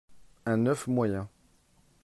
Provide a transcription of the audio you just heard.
un oeuf moyen